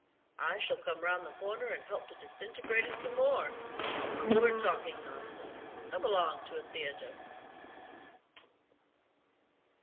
"I shall come round the corner and help to disintegrate it some more. We're talking nonsense. Come along to a theatre."